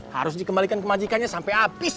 harus dikembalikan ke majikannya sampai habis